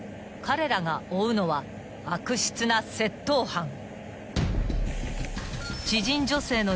［彼らが追うのは悪質な窃盗犯］